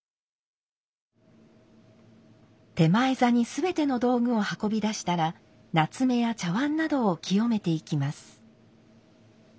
点前座に全ての道具を運び出したら棗や茶碗などを清めていきます。